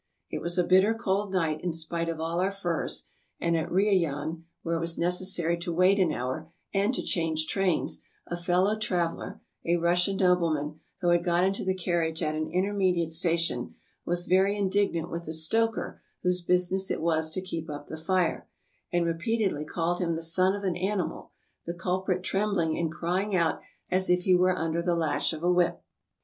It was a bitter cold night, in spite of all our furs, and at Riayan, where it was necessary to wait an hour, and to change trains, a fellow traveler, a Russian nobleman, who had got into the carriage at an intermediate station, was very indignant with the stoker whose business it was to keep up the fire, and repeatedly called him the son of an animal, the culprit trembling and crying out as if he were under the lash of a whip.